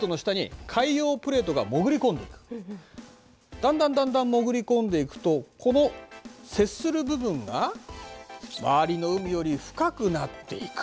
だんだんだんだん潜り込んでいくとこの接する部分が周りの海より深くなっていく。